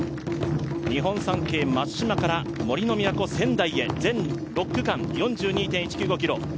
日本三景・松島から杜の都・仙台へ、全部６区間４１．２９５ｋｍ。